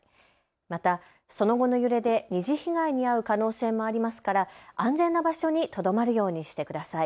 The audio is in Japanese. またその後の揺れで二次被害に遭う可能性もありますから安全な場所にとどまるようにしてください。